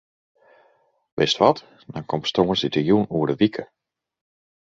Wist wat, dan komst tongersdeitejûn oer in wike.